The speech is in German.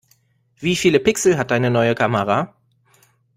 Wie viele Pixel hat deine neue Kamera?